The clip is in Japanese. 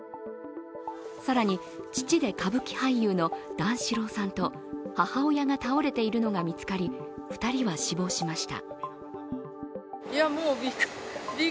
更に、父で歌舞伎俳優の段四郎さんと母親が倒れているのが見つかり２人は死亡しました。